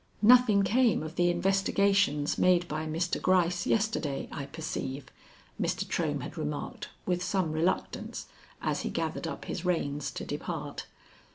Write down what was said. "Nothing came of the investigations made by Mr. Gryce yesterday, I perceive," Mr. Trohm had remarked, with some reluctance, as he gathered up his reins to depart.